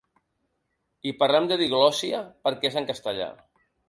I parlem de diglòssia, perquè és en castellà.